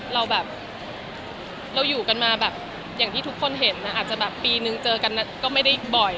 เราอยู่กันมาแบบที่ทุกคนเห็นอาจจะปีนึงเจอกันก็ไม่ได้บ่อย